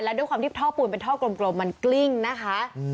ด้วยความที่ท่อปูนเป็นท่อกลมมันกลิ้งนะคะ